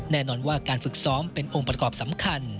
แน่นอนว่าการฝึกซ้อมเป็นองค์ประกอบสำคัญ